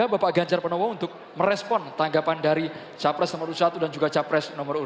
bapak ganjar pranowo untuk merespon tanggapan dari capres nomor satu dan juga capres nomor urut dua